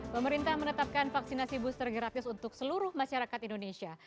pemerintah menetapkan vaksinasi booster gratis untuk seluruh masyarakat indonesia